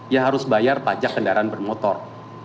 ya harus bayar pajak kendaraan bermotor